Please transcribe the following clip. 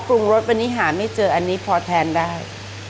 ปรุงรสวันนี้หาไม่เจออันนี้พอแทนได้